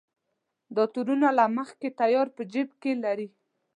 دا تورونه له مخکې تیار په جېب کې لري.